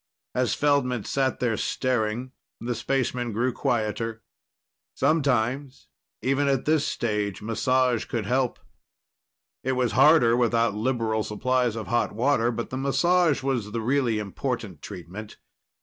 As Feldman sat there staring, the spaceman grew quieter. Sometimes, even at this stage, massage could help. It was harder without liberal supplies of hot water, but the massage was the really important treatment.